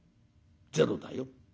ゼロだよ。